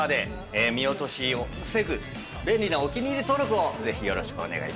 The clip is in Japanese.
見落としを防ぐ便利なお気に入り登録をぜひよろしくお願いいたします。